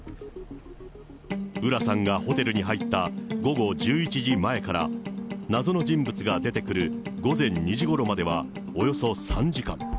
浦さんがホテルに入った午後１１時前から、謎の人物が出てくる午前２時ごろまではおよそ３時間。